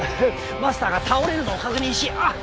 マスターが倒れるのを確認しあっ